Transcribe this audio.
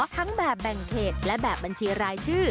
ทั้งแบบแบ่งเขตและแบบบัญชีรายชื่อ